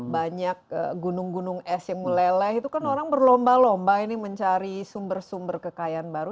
banyak gunung gunung es yang meleleh itu kan orang berlomba lomba ini mencari sumber sumber kekayaan baru